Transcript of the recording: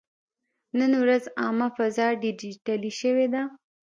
نن ورځ عامه فضا ډیجیټلي شوې ده.